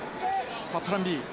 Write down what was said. パットランビー。